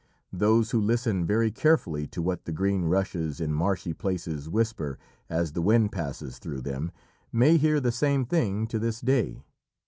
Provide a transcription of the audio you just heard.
Those who listen very carefully to what the green rushes in marshy places whisper as the wind passes through them, may hear the same thing to this day.